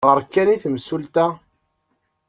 Ɣer kan i temsulta.